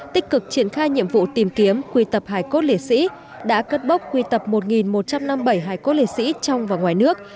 tích cực triển khai nhiệm vụ tìm kiếm quy tập hải cốt lễ sĩ đã cất bốc quy tập một một trăm năm mươi bảy hải cốt lễ sĩ trong và ngoài nước